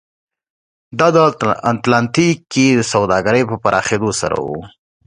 دا د اتلانتیک کې سوداګرۍ په پراخېدو سره و.